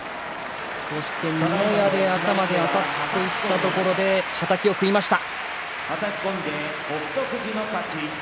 そして、土俵際頭であたっていったところではたきを食いました。